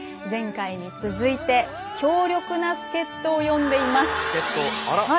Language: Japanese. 前回に続いて強力な助っ人を呼んでいます。